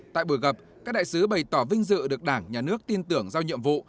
tại buổi gặp các đại sứ bày tỏ vinh dự được đảng nhà nước tin tưởng giao nhiệm vụ